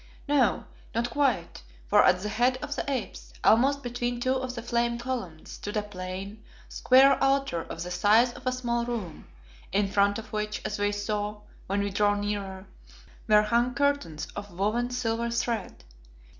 No, not quite, for at the head of the apse, almost between two of the flame columns, stood a plain, square altar of the size of a small room, in front of which, as we saw when we drew nearer, were hung curtains of woven silver thread.